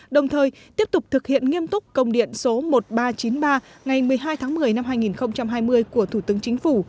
đồng thời tiếp tục thực hiện nghiêm túc công điện số một nghìn ba trăm chín mươi ba ngày một mươi hai tháng một mươi năm hai nghìn hai mươi của thủ tướng chính phủ